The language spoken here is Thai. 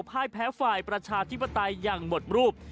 พ่ายแพ้ฝ่ายประชาธิปไตยอย่างหมดรูป